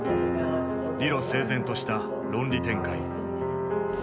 理路整然とした論理展開。